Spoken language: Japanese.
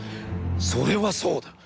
「それはそうだ。